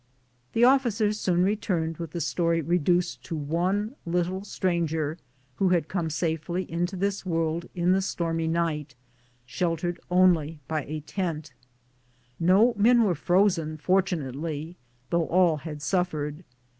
The officers soon returned with the story reduced to one little stranger who had come safely into this world in the stormy night, sheltered by a tent only. No men were frozen, fortunately, though all had suffered.